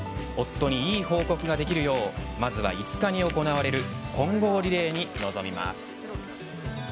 夫にいい報告ができるようまずは５日に行われる混合リレーに臨みます。